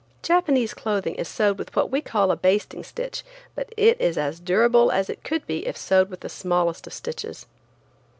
Japanese clothing is sewed with what we call a basting stitch, but it is as durable as it could be if sewed with the smallest of stitches.